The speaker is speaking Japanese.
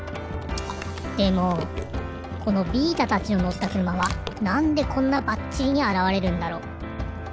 でもこのビータたちののったくるまはなんでこんなバッチリにあらわれるんだろう？